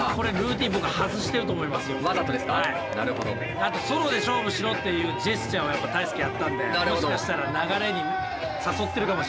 あとソロで勝負しろっていうジェスチャーをＴＡＩＳＵＫＥやったんでもしかしたら流れに誘ってるかもしれないですね。